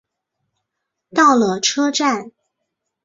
到了车站